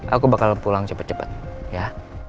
aku bakal pulang cepet cepet ya